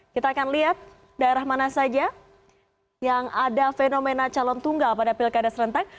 kita akan lihat daerah mana saja yang ada fenomena calon tunggal pada pilkada serentak